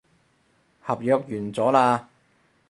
合約完咗喇